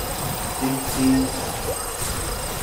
Timetti am ta.